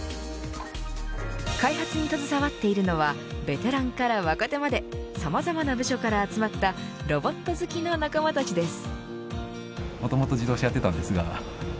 開発に携わっているのはベテランから若手までさまざまな部署から集まったロボット好きの仲間たちです。